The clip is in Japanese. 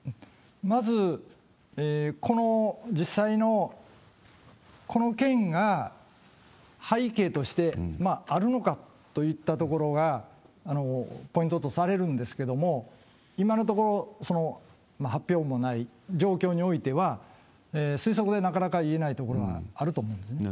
まず、この実際のこの件が背景としてあるのかといったところがポイントとされるんですけれども、今のところ、その発表もない状況においては、推測でなかなか言えないところがあると思うんですね。